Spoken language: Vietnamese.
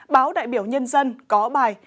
báo đại biểu nhân dân có bài